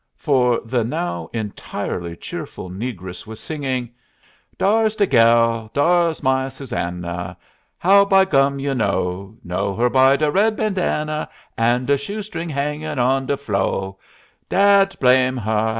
For the now entirely cheerful negress was singing: "'Dar's de gal, dar's my Susanna. How by gum you know? Know her by de red bandanna, An' de shoestring hangin' on de flo' Dad blam her!